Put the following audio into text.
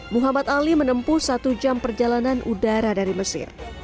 muhammad ali menempuh satu jam perjalanan udara dari mesir